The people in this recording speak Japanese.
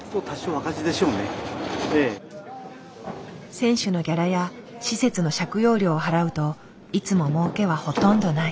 選手のギャラや施設の借用料を払うといつも儲けはほとんどない。